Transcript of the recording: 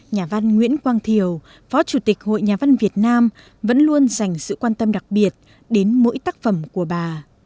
nhà văn nguyễn quang thiều phó chủ tịch hội nhà văn việt nam vẫn luôn dành sự quan tâm đặc biệt đến mỗi tác phẩm của bà